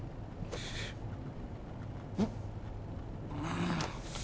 うん。